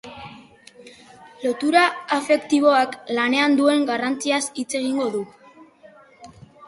Lotura afektiboak lanean duen garrantziaz hitz egingo du.